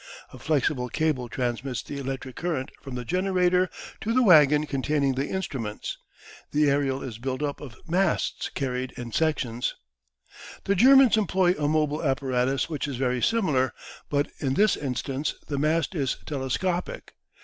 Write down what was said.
A flexible cable transmits the electric current from the generator to the wagon containing the instruments. The aerial is built up of masts carried in sections. The Germans employ a mobile apparatus which is very similar, but in this instance the mast is telescopic.